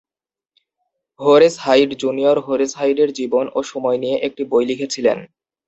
Horace Hyde, junior Horace হাইডের জীবন ও সময় নিয়ে একটি বই লিখেছিলেন।